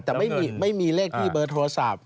แต่ไม่มีเลขที่เบอร์โทรศัพท์